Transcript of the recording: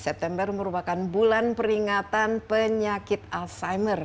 september merupakan bulan peringatan penyakit alzheimer